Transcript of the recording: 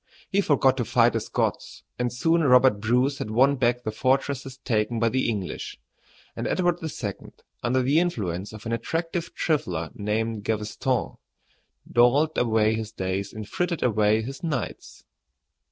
He forgot to fight the Scots, and soon Robert Bruce had won back the fortresses taken by the English, and Edward II., under the influence of an attractive trifler named Gaveston, dawdled away his days and frittered away his nights.